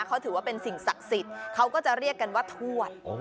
เขาถือว่าเป็นสิ่งศักดิ์สิทธิ์เขาก็จะเรียกกันว่าทวด